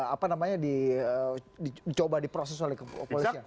apa namanya dicoba diproses oleh kepolisian